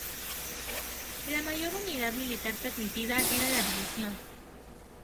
La mayor unidad militar permitida era la división.